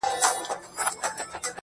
o زه هم دعاوي هر ماښام كومه.